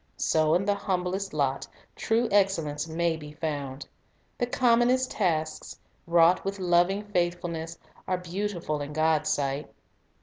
So in the humblest lot true excellence may be found; the commonest tasks, wrought with loving faith fulness, are beautiful in God's sight.